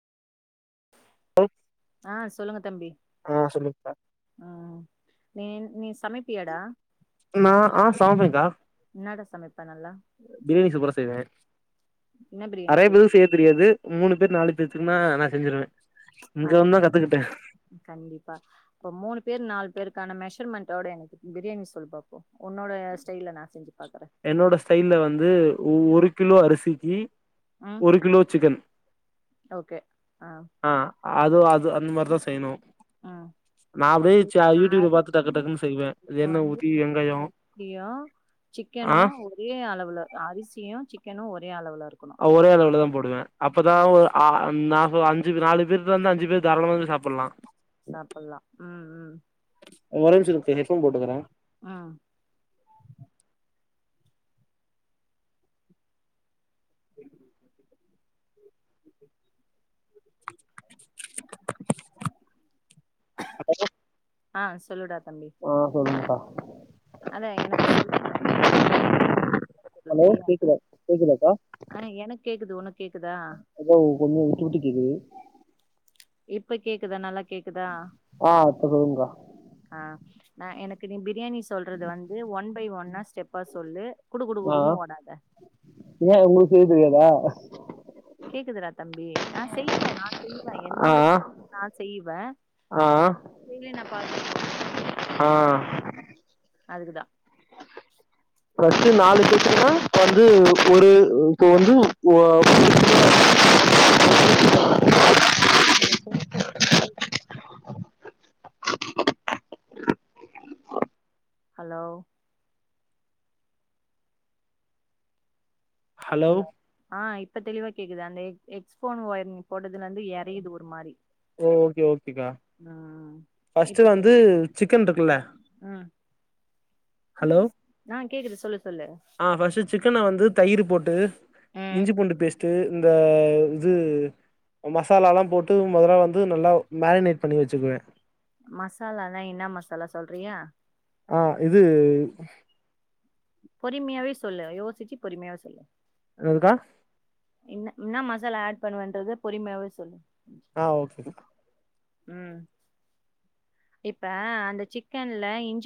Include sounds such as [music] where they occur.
ஆ சொல்லுங்க தம்பி ஆ சொல்லுங்க்கா நீ நீ சமைப்பியாடா நா ஆ சமைப்பேங்கா என்னடா சமைப்ப நல்லா பிரியாணி சூப்பரா செய்வே என்ன பிரியாணி நெறையா செய்வ பேருக்கு செய் தெரியாது மூணு பேர் நாலு பேத்துக்குன்னா நா செஞ்சிருவே ஆ இங்க வந்து ஓகே தா கத்துக்குட்டே கண்டிப்பா இப்ப மூணு பேர் நாலு பேருக்கான மெஷர்மெண்ட்டோட எனக்கு பிரியாணி சொல்ல பார்ப்போ உன்னோட ஸ்டைல்லனா செஞ்சு பார்க்கறே என்னோட ஸ்டைல்ல வந்து ஒரு கிலோ அரிசிக்கு ம் ஒரு கிலோ சிக்கன் ஓகே ஆ ஆ அதுவு அது அந்த மாரிதா செய்யணு ம் நா அப்டியே சா இப்ப யூடியூப்ல பாத்து டக்கு அரிசியு டக்குன்னு செய்வே அது எண்ணெ ஊத்தி வெங்காயோ சியு ம ஆ சிக்கனு ஒரே அளவுல அரிசியு சிக்கனு ஒரே அளவுல இருக்கணு ஒரே அளவுல தா போடுவே அப்பதா ம் ஒரு அ நாலு அஞ்சு நாலு பேர்ல இருந்து அஞ்சு பேர் தாராளமாவே சாப்புட்லா [unintelligible] சாப்புட்லா ம் ம் ஒரே நிம்ஷோ இரு ஹெட் ஃபோன் போட்டுக்கற ஆ [inaudible] அலோ ஆ சொல்லுடா தம்பி ஆ சொல்லுங்க்கா அத எனக்கு சொல் ஒன் ஹலோ கேக்குதா கேக்குதாக்கா ஆனா எனக் கேக்குது ஒனக் கேக்குதா ஏதோ கொஞ்சோ விட்டு விட்டு கேக்குது இப்ப கேக்குதா நல்லா கேக்குதா ஆ இப்ப சொல்லுங்கா ஆ நா எனக்கு நீ பிரியாணி சொல்றத வந்து ஒன் பை ஒன்னா ஸ்டெப்பா சொல்லு குடு குடு குடுன்னு ஓடாத ஏ உங்களுக்கு செய்ய தெரியாதா கேக்குதுடா தம்பி நா செய்வ நா செய்வ ஆ என்னோட ஸ்டைல்க் நா செய்வ ஆ சைட்லயு நா பாக்கணுல ஆ அதுக்குதா ப்ளஸ்ஸு நாலு பேத்துக்குன்னா இப்ப வந்து ஒரு இப்ப வந்து ஓ தம்பி நீங்க பேசறது [inaudible] ஹலோ ஹலோ ஆ இப்ப தெளிவா கேக்குது அந்த எக் எக்ஸ் ஃபோன் ஒயர் போட்டதுல இருந்து எறையுது ஒரு மாரி ஓகே ஓகேக்கா ம் இப்ப ஃபஸ்ட்டு வந்து சொல்லு சிக்கன் இருக்குல்ல ம் ஹலோ ஆ கேக்குது சொல்லு சொல்லு ஆ ஃபஸ்ட்டு சிக்கன வந்து தயிரு போட்டு ம் இஞ்சி பூண்டு பேஸ்ட்டு இந்த இது மசாலாலா போட்டு மொதல வந்து நல்லா மேரினேட் பண்ணி வச்சுக்குவ மசாலாலா என்ன மசாலா சொல்றியா ஆ இது பொறிமியாவே சொல்லு யோசிச்சு பொறிமியாவே சொல்லு என்னாதுக்கா இன்ன என்னா மசாலா ஆட் பண்ணுவன்றத பொறிமியாவே சொல்லு ஆ ஓகேக்கா ம் இப்ப அந்த சிக்கன்ல இஞ்சி